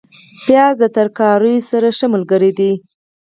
پیاز د شنو سبزیو سره ښه ملګری دی